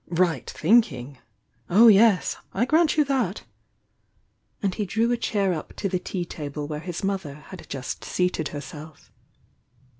"Right thinking! Oh, yes!— I grant you that,"— and he drew a chair up to the tea table where his mother had just seated herself.